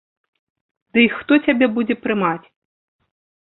Дый хто цябе будзе прымаць.